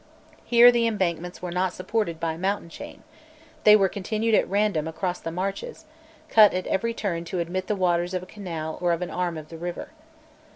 Here the embankments were not supported by a mountain chain: they were continued at random across the marshes, cut at every turn to admit the waters of a canal or of an arm of the river.